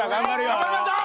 頑張りましょう！